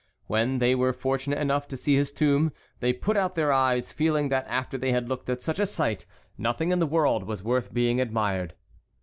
When they were fortunate enough to see his tomb, they put out their eyes, feeling that after they had looked at such a sight, nothing in the world was worth being admired.